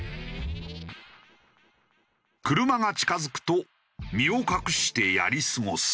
車が近付くと身を隠してやり過ごす。